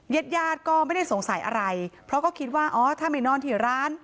ญาติญาติก็ไม่ได้สงสัยอะไรเพราะก็คิดว่าอ๋อถ้าไม่นอนที่ร้าน